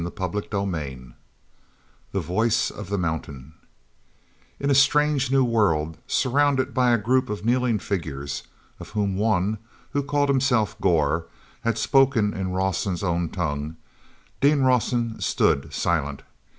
CHAPTER XIX The Voice of the Mountain n a strange new world surrounded by a group of kneeling figures of whom one, who called himself Gor, had spoken in Rawson's own tongue, Dean Rawson stood silent.